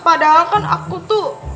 padahal kan aku tuh